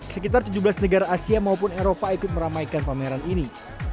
sekitar tujuh belas negara asia maupun eropa ikut meramaikan pameran ini